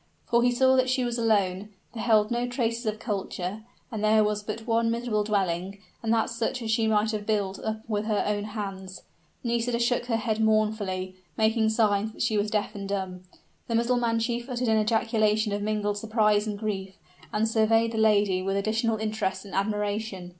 For he saw that she was alone beheld no traces of culture; and there was but one miserable dwelling, and that such as she might have built up with her own hands. Nisida shook her head mournfully, making signs that she was deaf and dumb. The Mussulman chief uttered an ejaculation of mingled surprise and grief, and surveyed the lady with additional interest and admiration.